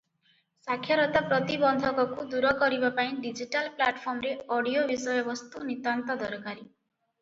ସାକ୍ଷରତା ପ୍ରତିବନ୍ଧକକୁ ଦୂର କରିବା ପାଇଁ ଡିଜିଟାଲ ପ୍ଲାଟଫର୍ମରେ ଅଡିଓ ବିଷୟବସ୍ତୁ ନିତାନ୍ତ ଦରକାରୀ ।